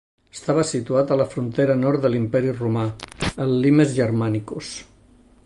Estava situat a la frontera nord de l'imperi Romà, el "Limes Germanicus".